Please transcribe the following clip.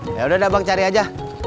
yaudah dabang cari aja